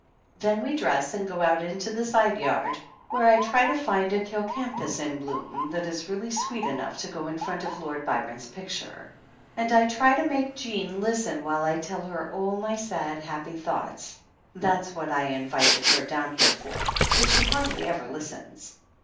Then we dress and go out into the side yard, where I try to find a cale canthus in bloom that is really sweet enough to go in front of Lord Byron's picture. And I try to make Jean listen while I tell her all my sad, happy thoughts, that's what I invited her down here for, but she hardly ever listens.